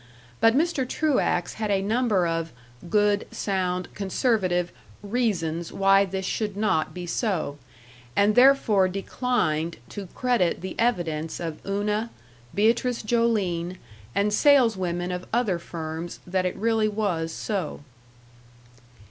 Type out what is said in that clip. But Mr. Truax had a number of "good, sound, conservative" reasons why this should not be so, and therefore declined to credit the evidence of Una, Beatrice Joline, and saleswomen of other firms that it really was so.